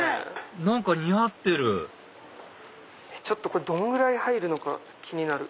何か似合ってるこれどんぐらい入るのか気になる。